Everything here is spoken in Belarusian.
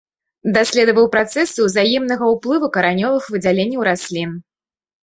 Даследаваў працэсы ўзаемнага ўплыву каранёвых выдзяленняў раслін.